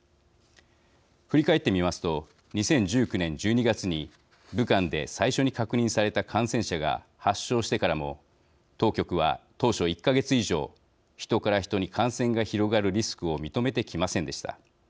振り返ってみますと２０１９年１２月に武漢で最初に確認された感染者が発症してからも当局は当初、１か月以上ヒトからヒトに感染が広がるリスクを認めてきませんでした。